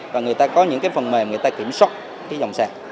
và người ta có những cái phần mềm người ta kiểm soát cái dòng xe